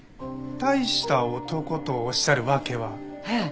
「大した男」とおっしゃるわけは？へえ。